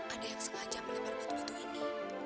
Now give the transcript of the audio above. ada yang sengaja mengebar betul betul ini